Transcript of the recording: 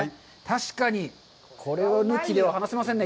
確かに、これを抜きでは話せませんね。